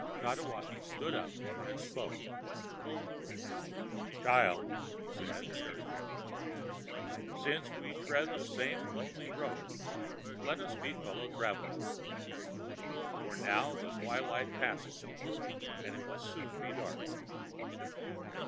Tatewaki stood up and spoke: ãChild,ã he said very gently, ãsince we tread the same lonely road let us be fellow travellers, for now the twilight passes and it will soon be dark.